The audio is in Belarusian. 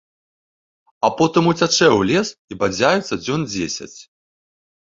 А потым уцячэ ў лес і бадзяецца дзён дзесяць.